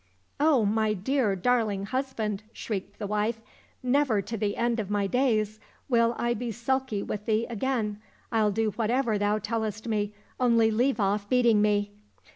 " Oh, my dear, darling husband !" shrieked the wife, " never to the end of my days will I be sulky with thee again. I'll do whatever thou tellest me, only leave off beating me."